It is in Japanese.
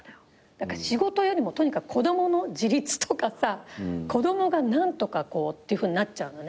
だから仕事よりもとにかく子供の自立とかさ子供が何とかこうっていうふうになっちゃうのね。